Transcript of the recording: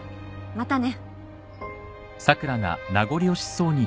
またね